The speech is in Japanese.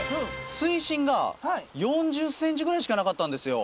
水深が４０ｃｍぐらいしかなかったんですよ。